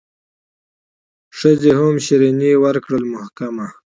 ښځي هم شیریني ورکړله محکمه